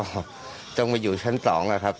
แล้วตรงนี้อยู่กันยังไงครับ๖คน